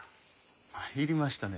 参りましたね。